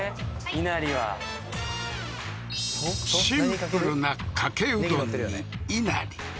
いなりはシンプルなかけうどんにいなり